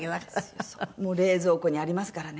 もう冷蔵庫にありますからね。